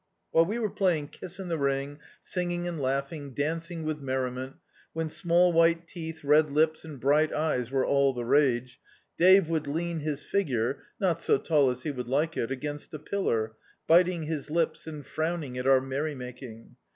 While we were playing kiss in the ring, singing and laughing, dancing with mer riment, when small white teeth, red lips and bright eyes were all the rage — Dave would lean his figure (not so tall as he would like it) against a pillar, biting his lips and frowning at our merry making.